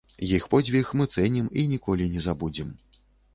Іх подзвіг мы цэнім і ніколі не забудзем.